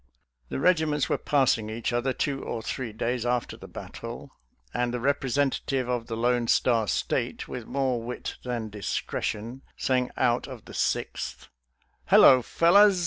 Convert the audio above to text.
The regiments were passing each other, two or three days after the battle, and the representative of the Lone Star State, with more wit than discretion, sang out of the Sixth, " Halloa, fellers